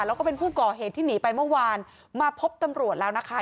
แล้วก็เป็นผู้ก่อเหตุที่หนีไปเมื่อวานมาพบตำรวจแล้วนะคะ